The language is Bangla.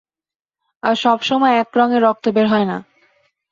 আর সবসময় এক রঙের রক্ত বের হয় না।